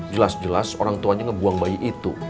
jelas jelas orang tuanya ngebuang bayi itu